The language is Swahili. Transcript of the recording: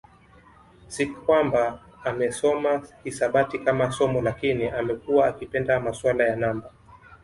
Si kwamba amesoma hisabati kama somo lakini amekuwa akipenda masuala ya namba